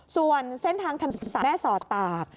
ส่วนเส้นทางแม่สอดตาก